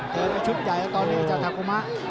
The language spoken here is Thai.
เตรียมไปชุดใหญ่ตอนนี้จากถากมะ